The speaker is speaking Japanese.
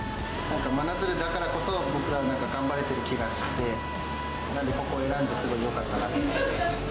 真鶴だからこそ、僕ら、頑張れてる気がして、なんでここ選んで、すごいよかったなって。